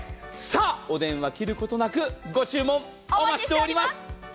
お電話切ることなく、ご注文お待ちしております。